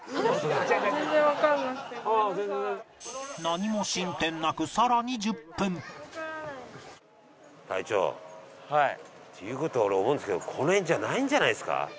何も進展なくさらに１０分という事は俺思うんですけどこの辺じゃないんじゃないですか？